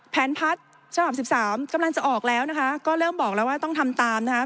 แผนพัฒน์ฉบับสิบสามกำลังจะออกแล้วนะคะก็เริ่มบอกแล้วว่าต้องทำตามนะคะ